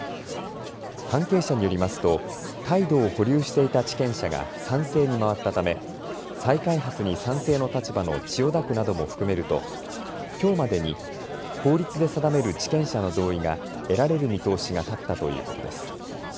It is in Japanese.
関係者によりますと態度を保留していた地権者が賛成に回ったため再開発に賛成の立場の千代田区なども含めるときょうまでに法律で定める地権者の同意が得られる見通しが立ったということです。